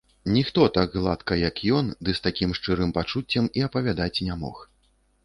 Ніхто так гладка, як ён, ды з такім шчырым пачуццем і апавядаць не мог.